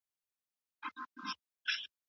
هر ماشوم به علم ته ولاړ سي.